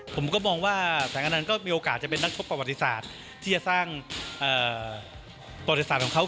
ผมก็มองว่าแสงอนันต์ก็มีโอกาสจะเป็นนักชกประวัติศาสตร์ที่จะสร้างประวัติศาสตร์ของเขา